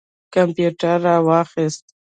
کمپیوټر یې را واخیست.